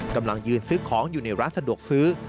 กำลังยืนซื้อของอยู่ในร้านสะดวกซื้อ